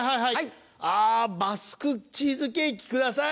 あバスクチーズケーキ下さい！